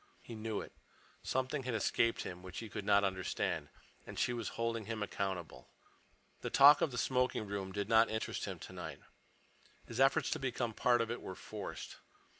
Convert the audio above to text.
He knew it. Something had escaped him which he could not understand. And she was holding him accountable. The talk of the smoking room did not interest him tonight. His efforts to become a part of it were forced.